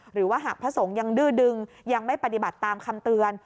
หรือว่าหากพระสงฆ์ยังดื้อดึงยังไม่ปฏิบัติตามคำเตือน